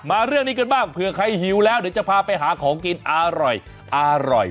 เรื่องนี้กันบ้างเผื่อใครหิวแล้วเดี๋ยวจะพาไปหาของกินอร่อยอร่อย